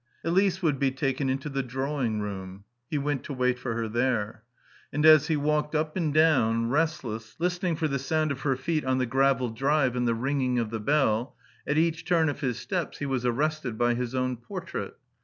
2 Elise would be taken into the drawing room. He went to wait for her there. And as he walked up and down, restless, listening for the sound of her feet on the gravel drive and the ringing of the bell, at each turn of his steps he was arrested by his own portrait.